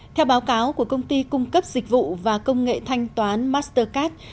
theo báo cáo của công ty cung cấp dịch vụ và công nghệ thanh toán mastercard